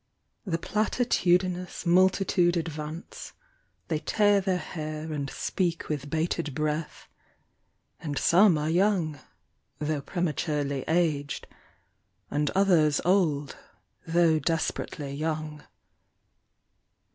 The platitudinous multitude advance, They tear their hair and speak with bated breath, And some are young — tho' prematurely aged, And others old — tho' desperately young.